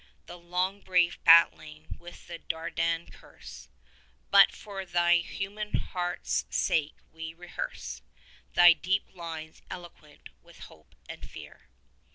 The long brave battling with the Dardan ctirse ; But for thy human heart's sake we rehearse Thy deep lines eloquent with hope and fear.